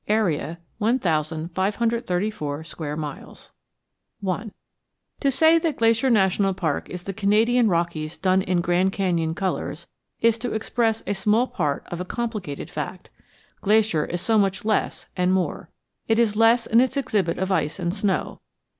AREA, 1,534 SQUARE MILES I To say that Glacier National Park is the Canadian Rockies done in Grand Canyon colors is to express a small part of a complicated fact. Glacier is so much less and more. It is less in its exhibit of ice and snow.